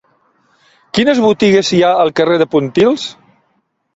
Quines botigues hi ha al carrer de Pontils?